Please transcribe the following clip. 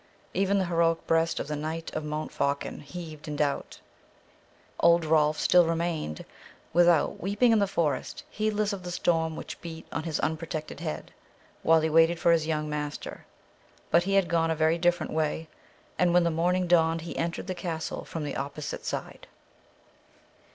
Even the heroic breast of the Knight of Montfaucon heaved in doubt. Old Rolf still remained without, weeping in the forest, heedless of the storm which beat on his unprotected head, while he waited for his young master. But he had gone a very different way; and when the morning dawned, he entered the castle from the opposite side.